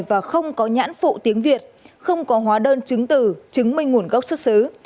và không có nhãn phụ tiếng việt không có hóa đơn chứng từ chứng minh nguồn gốc xuất xứ